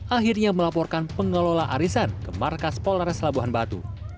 akhirnya melaporkan pengelola arisan ke markas polres labuhan batu